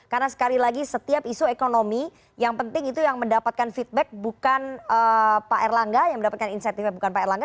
karena sekali lagi setiap isu ekonomi yang penting itu yang mendapatkan feedback bukan pak erlangga yang mendapatkan insentifnya bukan pak erlangga